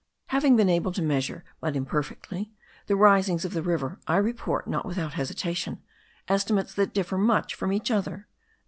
Having been able to measure but imperfectly the risings of the river, I report, not without hesitation, estimates that differ much from each other.